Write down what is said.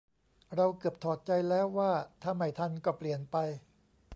เราเกือบถอดใจแล้วว่าถ้าไม่ทันก็เปลี่ยนไป